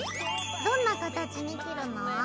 どんな形に切るの？